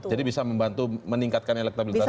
jadi bisa membantu meningkatkan elektabilitas itu